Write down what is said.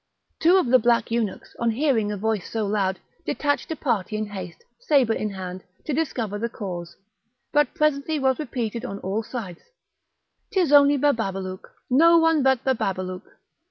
Two of the black eunuchs, on hearing a voice so loud, detached a party in haste, sabre in hand, to discover the cause; but presently was repeated on all sides: "'Tis only Bababalouk! no one but Bababalouk!"